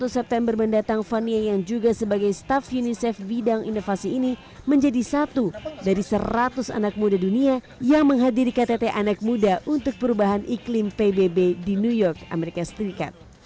satu september mendatang fania yang juga sebagai staff unicef bidang inovasi ini menjadi satu dari seratus anak muda dunia yang menghadiri ktt anak muda untuk perubahan iklim pbb di new york amerika serikat